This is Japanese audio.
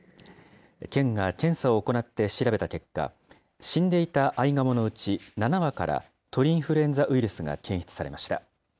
県が検査を行って調べた結果、死んでいたアイガモのうち７羽から鳥インフルエンザウイルスが検出されました。